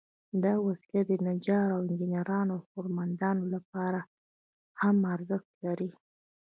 دا وسيله د نجارو، انجینرانو، او هنرمندانو لپاره هم ارزښت لري.